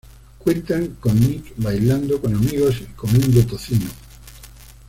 Cuenta con Nick bailando con amigos y comiendo tocino.